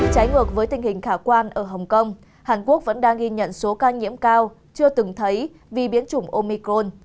trái ngược với tình hình khả quan ở hồng kông hàn quốc vẫn đang ghi nhận số ca nhiễm cao chưa từng thấy vì biến chủng omicron